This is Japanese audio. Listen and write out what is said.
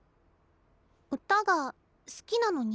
歌が好きなのに？